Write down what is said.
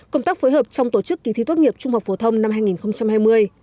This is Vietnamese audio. công tác phối hợp trong tổ chức kỳ thi tốt nghiệp trung học phổ thông năm hai nghìn hai mươi